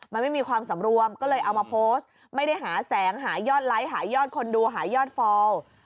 มันไม่มีความสำรวมก็เลยเอามาโพสต์ไม่ได้หาแสงหายอดไลค์หายอดคนดูหายอดฟอล